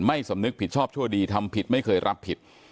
สำนึกผิดชอบชั่วดีทำผิดไม่เคยรับผิด